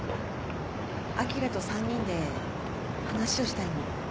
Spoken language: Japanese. あきらと３人で話をしたいの。